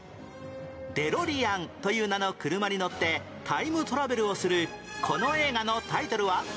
デロリアンという名の車に乗ってタイムトラベルをするこの映画のタイトルは？